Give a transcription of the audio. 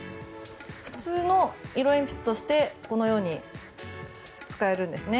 普通の色鉛筆としてこのように使えるんですね。